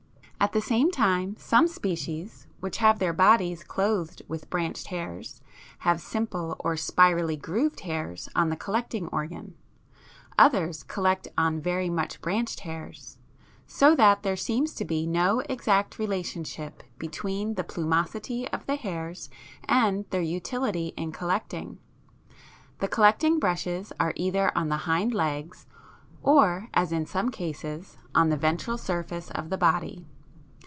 At the same time some species which have their bodies clothed with branched hairs have simple or spirally grooved hairs on the collecting organ others collect on very much branched hairs so that there seems to be no exact relationship between the plumosity of the hairs and their utility in collecting. The collecting brushes are either on the hind legs or, as in some cases, on the ventral surface of the body.